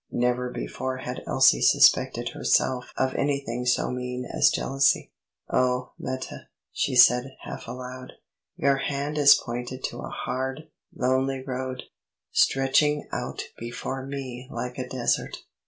Never before had Elsie suspected herself of anything so mean as jealousy. "Oh, Meta," she said, half aloud, "your hand has pointed to a hard, lonely road, stretching out before me like a desert!